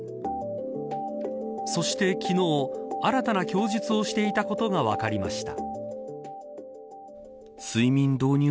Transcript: そして昨日、新たな供述をしていたことが分かりました。